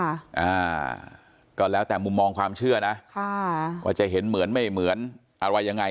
อ่าก็แล้วแต่มุมมองความเชื่อนะค่ะว่าจะเห็นเหมือนไม่เหมือนอะไรยังไง